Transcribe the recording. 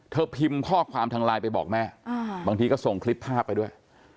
พิมพ์ข้อความทางไลน์ไปบอกแม่บางทีก็ส่งคลิปภาพไปด้วย